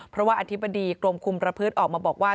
เพราะว่าอธิบดีกรมคุมประพฤติออกมาบอกว่า